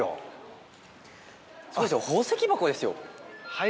すごいですよ宝石箱ですよ。